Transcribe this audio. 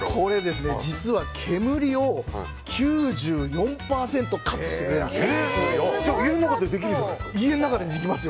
実は煙を９４％カットしてくれます。